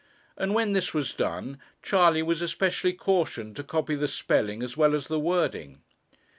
And when this was done, Charley was especially cautioned to copy the spelling as well as the wording.